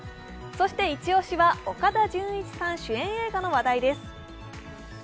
そしてイチ押しは岡田准一さん主演映画の話題です。